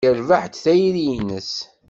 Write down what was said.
Yerbeḥ-d tayri-nnes.